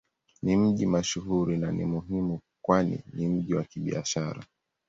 Ni mji mashuhuri na ni muhimu kwani ni mji wa Kibiashara.